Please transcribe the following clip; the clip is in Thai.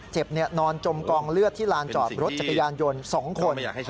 นอนจมกองเลือดที่ลานจอดรถจักรยานยนต์๒คน